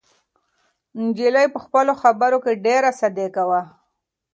نجلۍ په خپلو خبرو کې ډېره صادقه وه.